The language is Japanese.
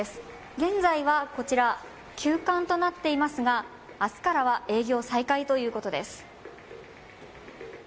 現在はこちら、休館となっていますが、あすからは営業再開ということです。